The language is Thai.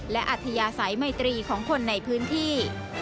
และอัธยาศัยไมตรีของคนในพื้นที่